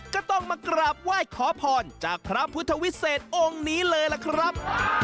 ก็ต้องมากราบไหว้ขอพรจากพระพุทธวิเศษองค์นี้เลยล่ะครับ